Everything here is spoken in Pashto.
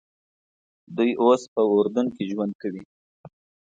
دوی اوس په اردن کې ژوند کوي.